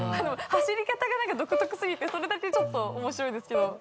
走り方が独特過ぎてそれだけちょっと面白いですけど。